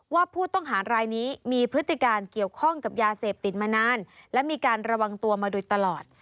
ว่าผู้ต้องหารายนี้มีพฤติการเกี่ยวข้องกับยาเสพติดมานานและมีการระวังตัวมาโดยตลอด